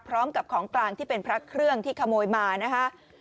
พร้อมกับของกลางที่เป็นพระเครื่องที่ขโมยมานะคะ